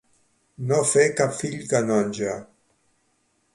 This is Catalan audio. No fer cap fill canonge.